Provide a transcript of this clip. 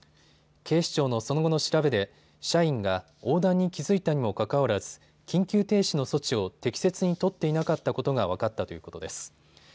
警視庁のその後の調べで社員が横断に気付いたにもかかわらず緊急停止の措置を適切に取っていなかったことが分かったということです。